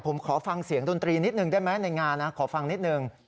ผมขอฟังเสียงดนตรีนิดนึงได้ไหมในงานนะขอฟังนิดนึง